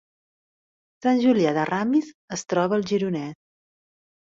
Sant Julià de Ramis es troba al Gironès